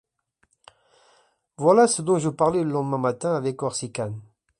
Voilà ce dont je parlais le lendemain matin avec Corsican.